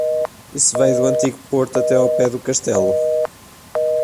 Isso vai do antigo porto até o pé do castelo.